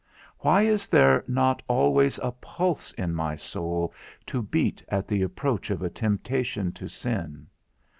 Why is there not always a pulse in my soul to beat at the approach of a temptation to sin?